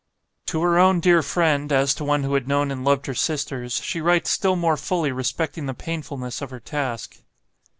To her own dear friend, as to one who had known and loved her sisters, she writes still more fully respecting the painfulness of her task.